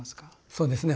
そうですね